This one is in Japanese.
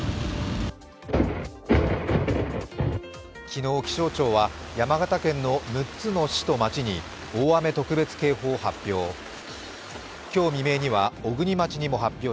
昨日、気象庁は山形県の６つの市と町に大雨特別警報を発表。